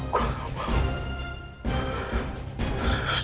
gua ga mau